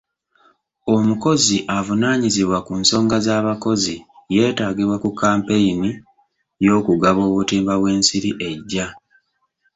Omukozi avunaanyizibwa ku nsonga z'abakozi yeetaagibwa ku kampeyini y'okugaba obutimba bw'ensiri ejja.